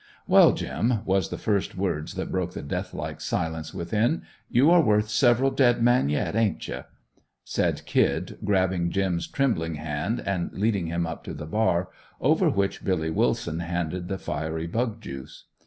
"Well, Jim," was the first words that broke the death like silence within, "you are worth several dead men yet, ain't you?" Said "Kid" grabbing "Jim's" trembling hand and leading him up to the bar, over which Billy Willson handed the fiery bug juice.